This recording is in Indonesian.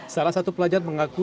salah satu pelajar mengaku